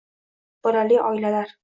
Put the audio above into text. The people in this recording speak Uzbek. Bolali oilalar